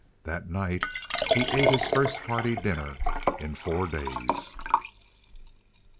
That night he ate his first hearty dinner in four days.